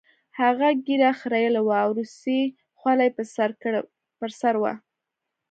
هغه ږیره خریلې وه او روسۍ خولۍ یې په سر وه